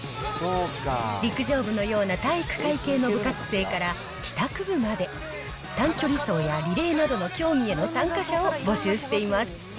陸上部のような体育会系の部活生から帰宅部まで、短距離走やリレーなどの競技への参加者を募集しています。